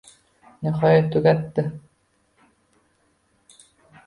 Nihoyat tugatdi